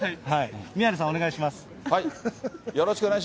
宮根さん、お願いします。